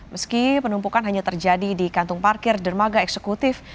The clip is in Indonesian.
meski penumpukan hanya terjadi di kantung parkir dermaga eksekutif